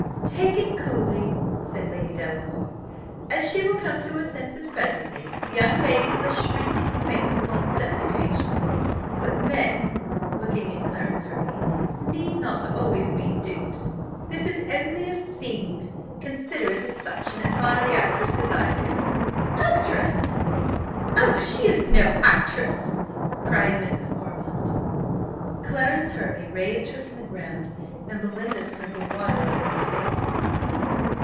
"Take it coolly," said Lady Delacour, "and she will come to her senses presently. Young ladies must shriek and faint upon certain occasions; but men (looking at Clarence Hervey) need not always be dupes. This is only a scene; consider it as such, and admire the actress as I do." "Actress! Oh, she is no actress!" cried Mrs. Ormond. Clarence Hervey raised her from the ground, and Belinda sprinkled water over her face.